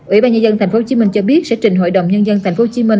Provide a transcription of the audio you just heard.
ủy ban nhân dân tp hcm cho biết sẽ trình hội đồng nhân dân tp hcm